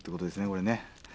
これね。